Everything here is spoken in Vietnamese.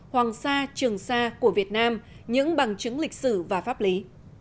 hoàng sa trường sa của việt nam những bằng chứng lịch sử và pháp lý